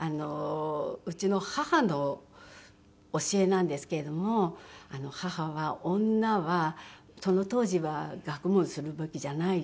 うちの母の教えなんですけれども母は女はその当時は学問するべきじゃない。